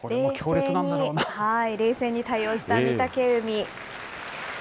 冷静に対応した御嶽海。